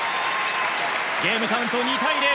ゲームカウント２対０